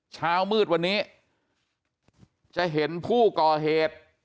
เช้ามืดวันนี้จะเห็นผู้ก่อเหตุ